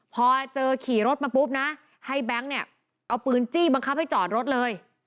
พอเจอขี่รถมาปุ๊บนะให้แบงค์เนี่ยเอาปืนจี้บังคับให้จอดรถเลย